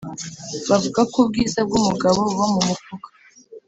Bavuga ko ubwiza bw’ umugabo buba mu mufuka